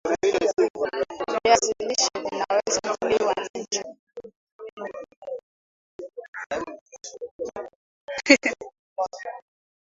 viazi lishe Vinaweza kuliwa nanjugu